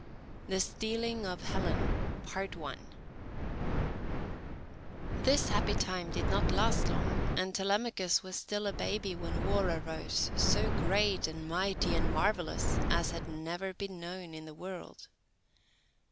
THE STEALING OF HELEN This happy time did not last long, and Telemachus was still a baby, when war arose, so great and mighty and marvellous as had never been known in the world.